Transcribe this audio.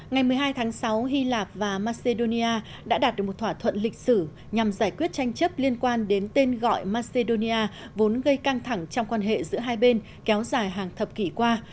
ngày một mươi hai tháng sáu hy lạp và macedonia đã đạt được một thỏa thuận lịch sử nhằm giải quyết tranh chấp liên quan đến tên gọi macedonia vốn gây căng thẳng trong quan hệ giữa hai bên kéo dài hàng thập kỷ qua